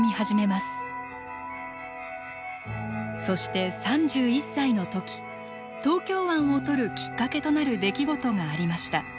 そして３１歳の時東京湾を撮るきっかけとなる出来事がありました。